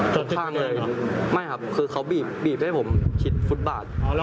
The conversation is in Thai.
ชดข้างเลยไม่ครับเขาบีบให้ผมชิดฟุตบาท